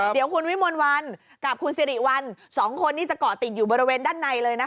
เดี๋ยวคุณวิมลวันกับคุณสิริวัล๒คนนี้จะเกาะติดอยู่บริเวณด้านในเลยนะคะ